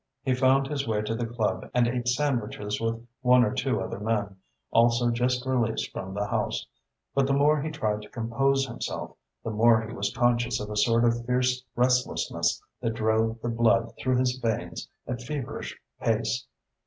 He found his way to the club and ate sandwiches with one or two other men, also just released from the House, but the more he tried to compose himself, the more he was conscious of a sort of fierce restlessness that drove the blood through his veins at feverish pace.